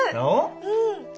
うん。